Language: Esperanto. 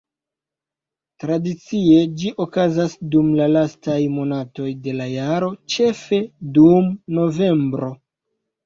Tradicie ĝi okazas dum la lastaj monatoj de la jaro, ĉefe dum novembro.